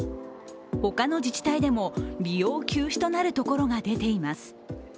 他の自治体でも、利用休止となるところが出ています。